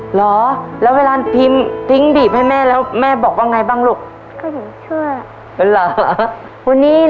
เหรอแล้วเวลาพีมทิ้งบีบให้แม่แล้วแม่บอกไหนบ้างลูก